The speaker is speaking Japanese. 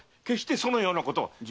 決してそのようなことは。